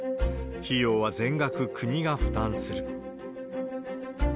費用は全額国が負担する。